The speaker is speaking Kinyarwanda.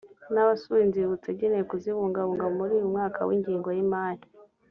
n abasura inzibutso agenewe kuzibungabunga muri uyu mwaka w ingengo y imari